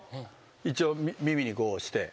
一応耳にこうして。